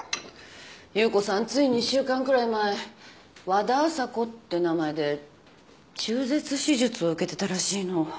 夕子さんつい２週間くらい前「和田朝子」って名前で中絶手術を受けてたらしいの。